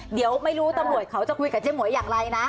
เดี๋ยวไม่รู้ตำรวจเขาจะคุยกับเจ๊หมวยอย่างไรนะ